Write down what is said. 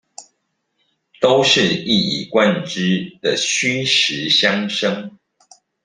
都是一以貫之的虛實相生